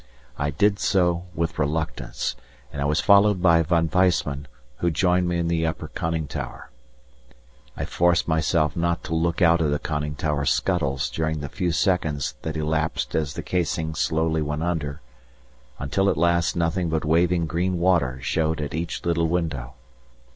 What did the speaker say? I did so with reluctance, and I was followed by Von Weissman, who joined me in the upper conning tower. I forced myself not to look out of the conning tower scuttles during the few seconds that elapsed as the casing slowly went under, until at last nothing but waving green water showed at each little window.